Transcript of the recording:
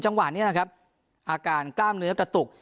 จังหวะนี้นะครับอาการกล้ามเนื้อกระตุก